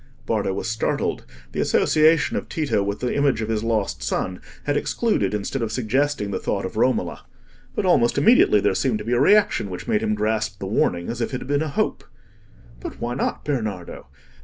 Bardo was startled: the association of Tito with the image of his lost son had excluded instead of suggesting the thought of Romola. But almost immediately there seemed to be a reaction which made him grasp the warning as if it had been a hope. "But why not, Bernardo?